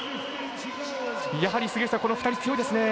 やはり杉内さんこの２人、強いですね。